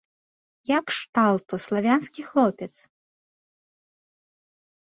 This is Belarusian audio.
Я кшталту славянскі хлопец.